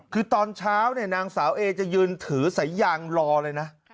คือตอนเช้าเนี่ยนางสาวเอจะยืนถือสายยางรอเลยนะ